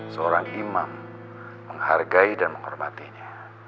seorang imam menghargai dan menghormatinya